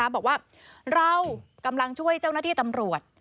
บอกว่าเรากำลังช่วยเจ้าหน้าที่ตำรวจ